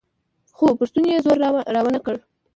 خو پر ستوني يې زور راونه کړ.